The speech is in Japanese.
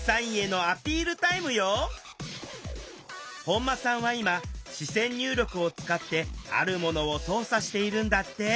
本間さんは今視線入力を使ってあるものを操作しているんだって。